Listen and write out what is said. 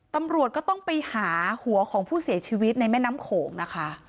ตำรวจก็ต้องไปหาหัวของผู้เสียชีวิตในแม่น้ำโขงนะคะ